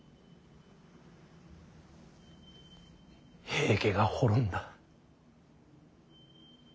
平家が滅んだ。